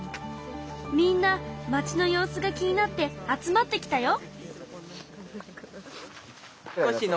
みんな町の様子が気になって集まってきたよ。